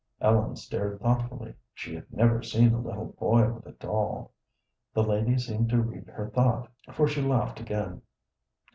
Ellen stared thoughtfully: she had never seen a little boy with a doll. The lady seemed to read her thought, for she laughed again.